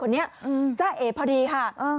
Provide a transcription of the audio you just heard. ชายชาวต่างชาติคนนี้จ้าเอพอดีค่ะ